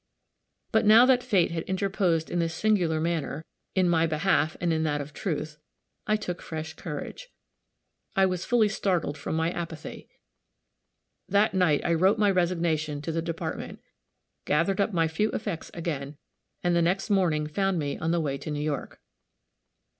But now that Fate had interposed in this singular manner, in my behalf and in that of Truth, I took fresh courage. I was fully startled from my apathy. That night I wrote my resignation to the Department, gathered up my few effects again, and the next morning found me on the way to New York.